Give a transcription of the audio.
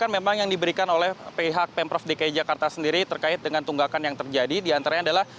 memang yang diberikan oleh pihak pemprov dki jakarta sendiri terkait dengan tunggakan yang terjadi diantaranya adalah